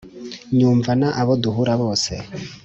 Nyumvana abo duhura bose